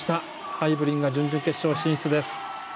ハイブリンが準々決勝進出です。